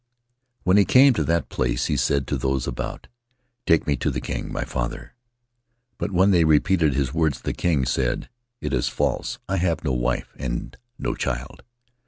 'When he came to that place he said to those about, 'Take me to the king, my father.' But when they re peated his words, the king said, 'It is false; I have no wife and no child.'